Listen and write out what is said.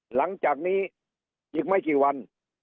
หลังจากนี้อีกไม่กี่วัน